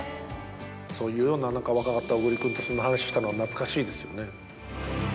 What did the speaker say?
若かった小栗君とそんな話したのは懐かしいですよね。